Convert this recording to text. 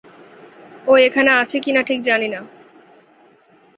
ও এখানে আছে কিনা ঠিক জানি না!